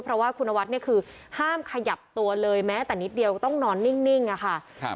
เพราะว่าคุณนวัดเนี่ยคือห้ามขยับตัวเลยแม้แต่นิดเดียวต้องนอนนิ่งอะค่ะ